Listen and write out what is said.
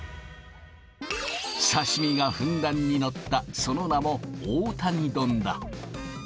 刺身がふんだんに載ったその名もオータニドンだ。